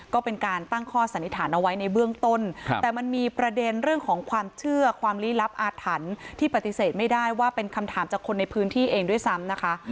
ก็เป็นการตั้งข้อสันนิษฐานเอาไว้ในเบื้องต้นแต่มันมีประเด็นเรื่องของความเชื่อความลี้ลับอาถรรพ์ที่ปฏิเสธไม่ได้ว่าเป็นคำถามจากคนในพื้นที่เองด้วยซ้ำนะคะ